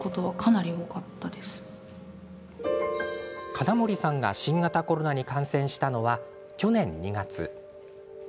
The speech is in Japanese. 金森さんが新型コロナに感染したのは、去年２月。